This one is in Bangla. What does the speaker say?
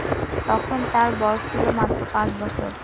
তখন তার বয়স ছিল মাত্র পাঁচ বছর।